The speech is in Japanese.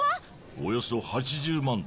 およそ８０万です。